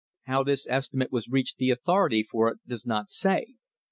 How this estimate was reached the authority for it does not say.